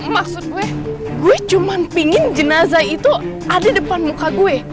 maksud gue gue cuman pingin jenazah itu ada di depan muka gue